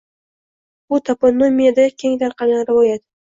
Bu toponimiyada keng tarqalgan rivoyat.